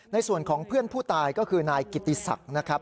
ในส่วนของเพื่อนผู้ตายก็คือนายกิติศักดิ์นะครับ